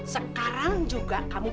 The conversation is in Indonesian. sekarang juga kamu masuk